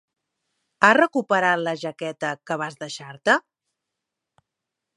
Has recuperat la jaqueta que vas deixar-te?